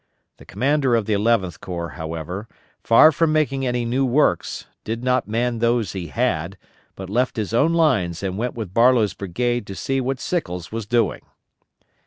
The commander of the Eleventh Corps, however, far from making any new works, did not man those he had, but left his own lines and went with Barlow's brigade to see what Sickles was doing.